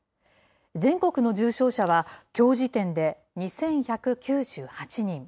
全国の重症者は、きょう時点で、２１９８人。